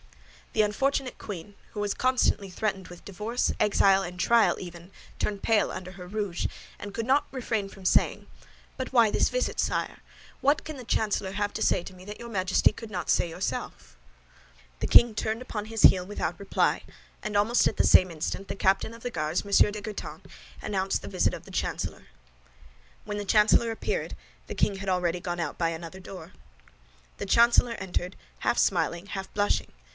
The unfortunate queen, who was constantly threatened with divorce, exile, and trial even, turned pale under her rouge, and could not refrain from saying, "But why this visit, sire? What can the chancellor have to say to me that your Majesty could not say yourself?" The king turned upon his heel without reply, and almost at the same instant the captain of the Guards, M. de Guitant, announced the visit of the chancellor. When the chancellor appeared, the king had already gone out by another door. The chancellor entered, half smiling, half blushing.